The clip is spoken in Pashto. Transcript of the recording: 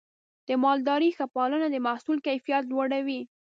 د مالدارۍ ښه پالنه د محصول کیفیت لوړوي.